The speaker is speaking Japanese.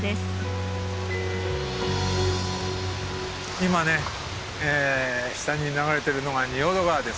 今ね下に流れてるのが仁淀川ですね。